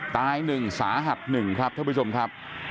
ตายหนึ่งสาหัสหนึ่งครับท่านผู้ชมครับ